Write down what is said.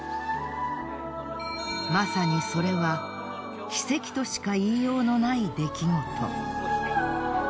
まさにそれは奇跡としか言いようのない出来事。